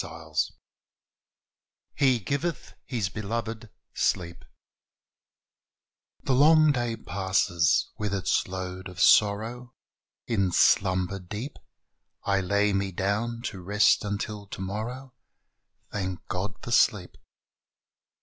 183 "HE GIVETH HIS BELOVED SLEEP" The long day passes with its load of sorrow: In slumber deep I lay me down to rest until tomorrow — Thank God for sleep.